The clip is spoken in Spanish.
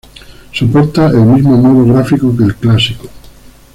Soporta el mismo modo gráfico que el Clásico.